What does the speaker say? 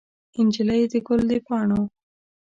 نجلۍ د ګل د پاڼو